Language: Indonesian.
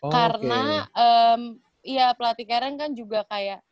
karena pelatih karen kan juga kayak